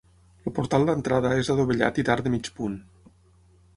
El portal d'entrada és adovellat i d'arc de mig punt.